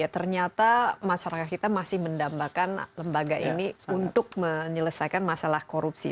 ternyata masyarakat kita masih mendambakan lembaga ini untuk menyelesaikan masalah korupsi